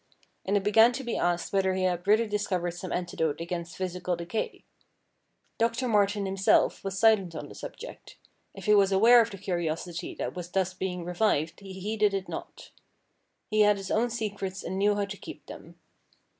And it began to be asked whether he had really discovered some antidote against physical decay. Doctor Martin himself was silent on the subject. If 312 STORIES WEIRD AND WONDERFUL he was aware of the curiosity that was thus being revived he heeded it not. He had his own secrets and knew how to keep them.